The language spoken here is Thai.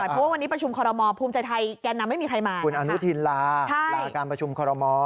เพราะว่าวันนี้ประชุมคอรมอภูมิใจไทยแกนนำไม่มีใครมาคุณอนุทินลาลาการประชุมคอรมอ